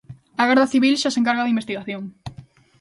A Garda Civil xa se encarga da investigación.